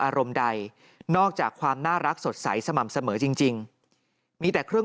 อารมณ์ใดนอกจากความน่ารักสดใสสม่ำเสมอจริงมีแต่เครื่อง